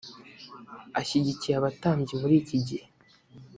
ashyigikiye abatambyi muri iki gihe